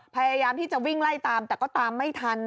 พยายามที่จะวิ่งไล่ตามแต่ก็ตามไม่ทัน